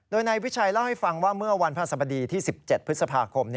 โดยนายวิชัยเล่าให้ฟังว่าเมื่อวันพระสบดีที่๑๗พฤษภาคม